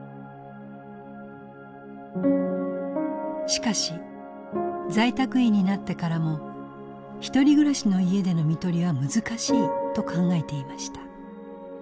しかし在宅医になってからもひとり暮らしの家での看取りは難しいと考えていました。